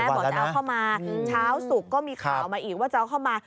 บอกจะเอาเข้ามาเช้าศุกร์ก็มีข่าวมาอีกว่าจะเอาเข้ามา